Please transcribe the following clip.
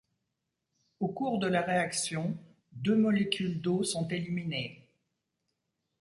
Au cours de la réaction, deux molécules d’eau sont éliminées.